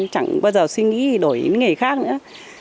chẳng bao giờ suy nghĩ đổi đến nghề khác nữa